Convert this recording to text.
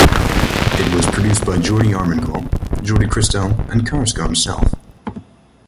It was produced by Jordi Armengol, Jordi Cristau and Carrasco himself.